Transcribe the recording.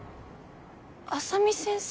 浅海先生？